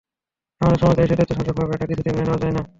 আমাদের সমাজে এসে দৈত্য শাসক হবে, এটা কিছুতেই মেনে নেওয়া যায় না।